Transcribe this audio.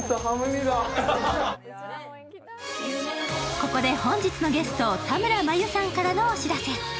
ここで本日のゲスト、田村真佑からのお知らせ。